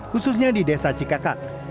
khususnya di desa cikakat